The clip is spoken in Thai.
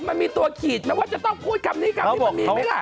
มันมีตัวขีดไหมว่าจะต้องพูดคำนี้คำนี้มันมีไหมล่ะ